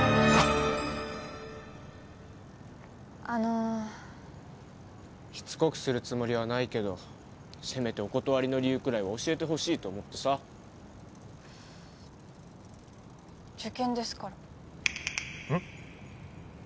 あのしつこくするつもりはないけどせめてお断りの理由くらい教えてほしいと思ってさ受験ですからうん？